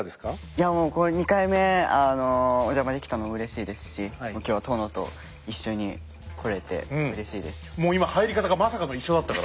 いやもうこれ２回目お邪魔できたのもうれしいですし今日は殿と一緒に来れてうれしいです。